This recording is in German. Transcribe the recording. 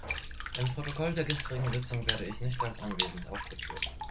Im Protokoll der gestrigen Sitzung werde ich nicht als anwesend aufgeführt.